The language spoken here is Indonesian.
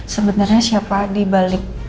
sebenernya siapa dibalik